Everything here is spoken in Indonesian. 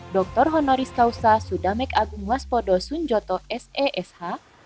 dr honoris causa sudamek agung waspodo sunjoto sesh